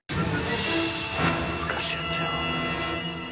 難しいやつや。